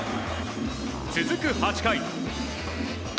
続く８回。